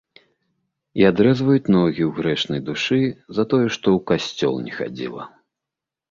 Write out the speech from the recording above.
І адрэзваюць ногі ў грэшнай душы за тое, што ў касцёл не хадзіла.